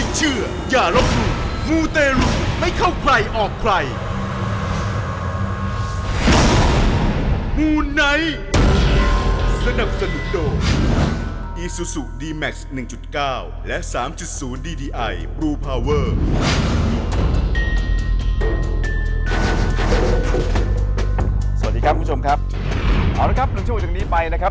สวัสดีครับคุณผู้ชมครับเอาละครับหลังจากนี้ไปนะครับ